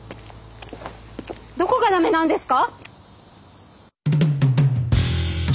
どこが駄目なんですか？